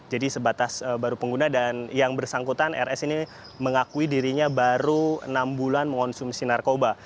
sebatas baru pengguna dan yang bersangkutan rs ini mengakui dirinya baru enam bulan mengonsumsi narkoba